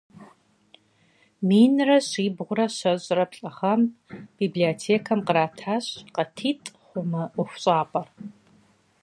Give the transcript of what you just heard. Минрэ щибгъурэ щэщӏрэ плӏы гъэм библиотекэм къратащ къатитӏ хъу мы ӏуэхущӏапӏэр.